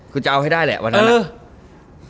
คือจะเอาให้ได้แหละวันนั้นน่ะ